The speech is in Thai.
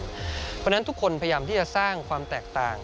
เพราะฉะนั้นทุกคนพยายามที่จะสร้างความแตกต่าง